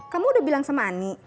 kamu udah bilang sama ani